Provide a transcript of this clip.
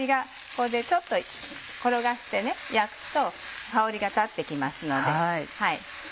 これでちょっと転がして焼くと香りが立って来ますので。